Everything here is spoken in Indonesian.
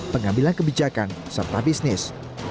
pengambilan kebijakan serta bisnis